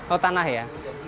oh tanah ya